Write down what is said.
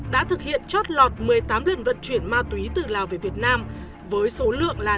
đã thực hiện chót lọt một mươi tám lần vận chuyển ma túy từ lào về việt nam với số lượng là năm trăm năm mươi bánh